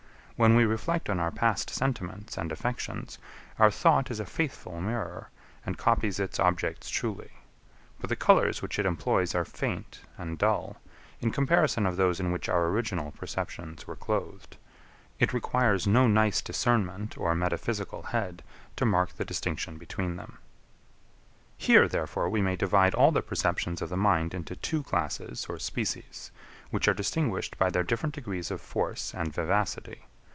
When we reflect on our past sentiments and affections, our thought is a faithful mirror, and copies its objects truly; but the colours which it employs are faint and dull, in comparison of those in which our original perceptions were clothed. It requires no nice discernment or metaphysical head to mark the distinction between them. 12. Here therefore we may divide all the perceptions of the mind into two classes or species, which are distinguished by their different degrees of force and vivacity.